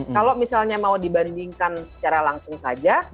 kalau misalnya mau dibandingkan secara langsung saja